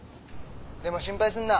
でも心配すんな。